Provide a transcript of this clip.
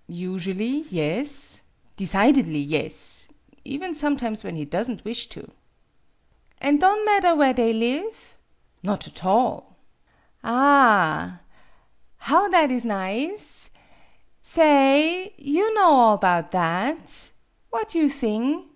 " "Usually yes; decidedly yes; even sometimes when he does n't wish to." " An' don' madder where they live ?" "Not at all." MADAME BUTTERFLY 49 " Ah h h! How that is nize! Sa ay ; you know all 'bout that. What you thing